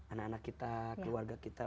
anak anak kita keluarga kita